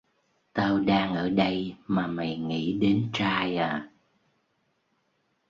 Tao đang ở đây mà mày nghĩ đến trai à